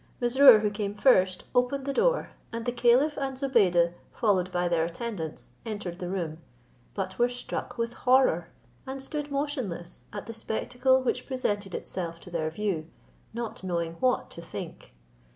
Mesrour, who came first, opened the door, and the caliph and Zobeide, followed by their attendants, entered the room; but were struck with horror, and stood motionless, at the spectacle which presented itself to their view, not knowing what to think.